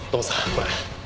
これ。